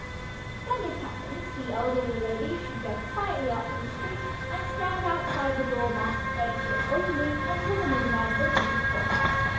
When this happens the elderly lady should get quietly up from the street and stand outside the door marked "Exit Only" until the motorman opens it for her.